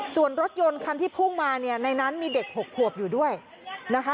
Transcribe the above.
ส่วนรถยนต์คันที่พุ่งมาเนี่ยในนั้นมีเด็ก๖ขวบอยู่ด้วยนะคะ